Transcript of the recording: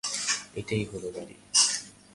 এটাই হলো গাড়ি।